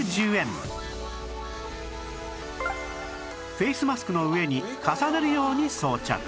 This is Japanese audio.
フェイスマスクの上に重ねるように装着